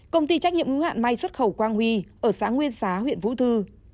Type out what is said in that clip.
công ty trách nhiệm hữu hạn may xuất khẩu quang huy ở xã nguyên xá huyện vũ thư